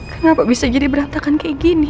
kenapa bisa jadi berantakan kayak gini